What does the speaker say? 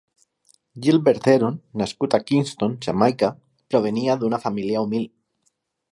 Gilbert Heron, nascut a Kingston, Jamaica, provenia d'una família humil.